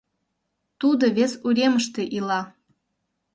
Тудо вес уремыште ила.